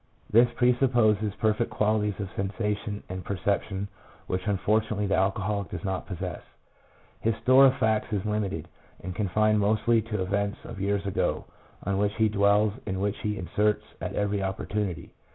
This pre supposes perfect qualities of sensation and perception which unfortunately the alcoholic does not possess. His store of facts is limited, and confined mostly to events of years ago, on which he dwells and which he inserts at every opportunity.